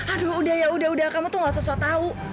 aduh yaudah yaudah kamu tuh gak sesuai tau